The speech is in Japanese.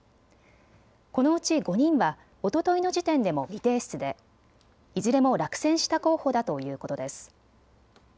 このうち５人はおとといの時点でも未提出でいずれも落選した候補だということです。